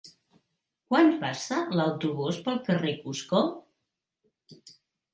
Quan passa l'autobús pel carrer Cusco?